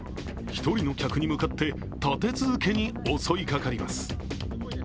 一人の客に向かって立て続けに襲いかかります。